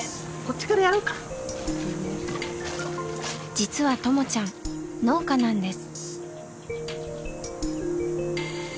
実はともちゃん農家なんです。